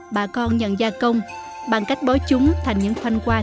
bà con nhận gia công bằng cách bói chúng thành những khoanh quan